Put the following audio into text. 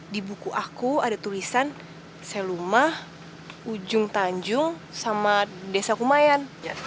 di buku aku ada tulisan selumah ujung tanjung sama desa kumayan